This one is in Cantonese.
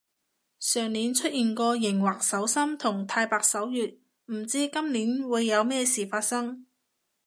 上年出現過熒惑守心同太白守月，唔知今年會有咩事發生